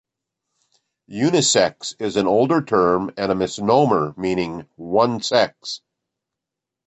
"Unisex" is an older term, and a misnomer meaning "one sex".